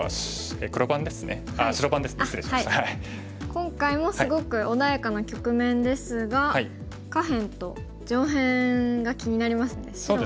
今回もすごく穏やかな局面ですが下辺と上辺が気になりますね白。